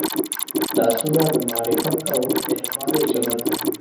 لاسونه د معرفت او مهربانۍ ژبه ده